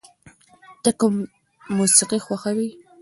ته کوم موسیقی خوښوې؟